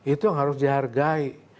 itu yang harus dihargai